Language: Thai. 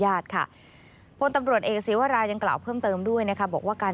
พาอาวุธไปในเมืองหมู่บ้านหรือทางสาธารณะโดยไม่มีเหตุอันควร